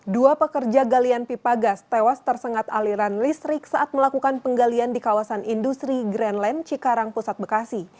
dua pekerja galian pipa gas tewas tersengat aliran listrik saat melakukan penggalian di kawasan industri grandland cikarang pusat bekasi